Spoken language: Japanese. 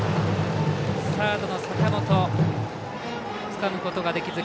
サードの坂本つかむことができず。